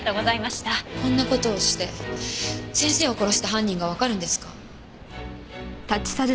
こんな事をして先生を殺した犯人がわかるんですか？